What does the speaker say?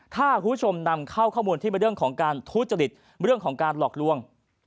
ถ้าคุณผู้ชมนำเข้าข้อมูลที่เป็นเรื่องของการทุจริตเรื่องของการหลอกลวง